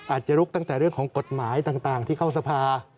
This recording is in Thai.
อาจจะลุกตั้งแต่เรื่องของกฎหมายต่างที่เข้าสภา